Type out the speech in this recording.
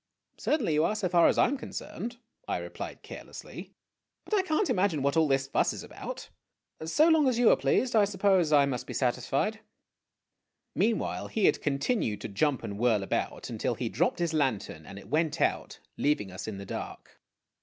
"Certainly you are, so far as I am concerned," I replied care lessly ;" but I can't imagine what all this fuss is about. So lonsf o as you are pleased, I suppose I must be satisfied." Meanwhile he had continued to jump and whirl about, until he dropped his lantern and it went out, leaving us in the dark.